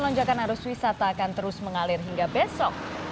lonjakan arus wisata akan terus mengalir hingga besok